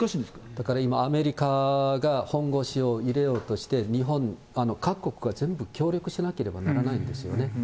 だから今、アメリカが本腰を入れようとして、日本、各国が全部協力しなければならないんですよね。